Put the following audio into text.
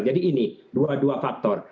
jadi ini dua dua faktor